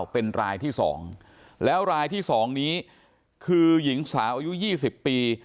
เป็นรายที่๒แล้วรายที่๒นี้คือหญิงสาวอายุ๒๐ปี